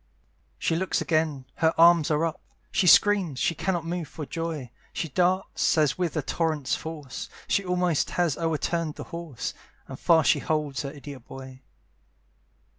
She looks again her arms are up She screams she cannot move for joy; She darts as with a torrent's force, She almost has o'erturned the horse, And fast she holds her idiot boy.